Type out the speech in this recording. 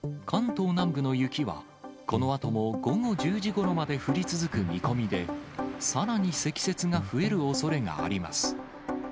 関東南部の雪は、このあとも午後１０時ごろまで降り続く見込みで、さらに積雪が増えるおそれがあります。